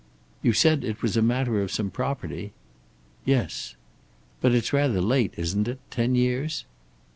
"You said it was a matter of some property?" "Yes." "But it's rather late, isn't it? Ten years?"